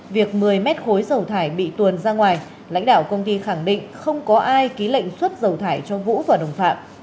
việc một mươi mét khối dầu thải bị tuồn ra ngoài lãnh đạo công ty khẳng định không có ai ký lệnh xuất dầu thải cho vũ và đồng phạm